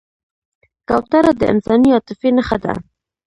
کوتره د انساني عاطفې نښه ده.